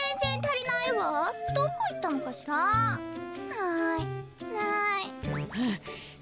・ないない。